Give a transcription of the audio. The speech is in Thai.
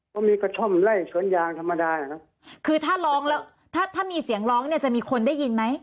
เพราะมีกระท่อมไล่สวนยางธรรมดานะครับคือถ้าร้องแล้วถ้าถ้ามีเสียงร้องเนี่ยจะมีคนได้ยินไหม